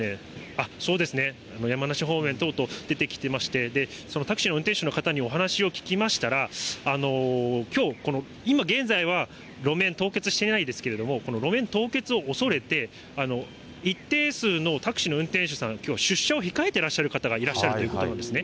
そうですね、山梨方面等々出てきてまして、そのタクシーの運転手の方にお話を聞きましたら、きょう、今現在は路面凍結していないですけれども、この路面凍結を恐れて、一定数のタクシーの運転手さん、きょうは出社を控えてらっしゃる方がいらっしゃるということなんですね。